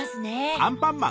アンパンマン！